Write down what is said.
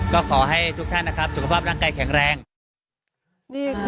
ก็ขอให้ทุกท่านนะครับ